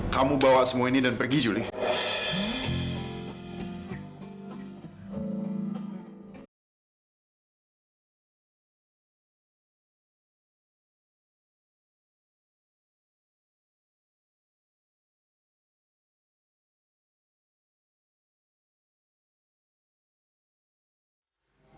kamu bawa semua ini dan pergi julie